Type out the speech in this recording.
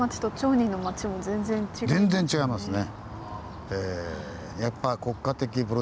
全然違いますね。